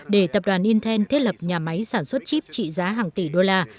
để tập đoàn inten thiết lập nhà máy sản xuất chip trị giá hàng tỷ đô la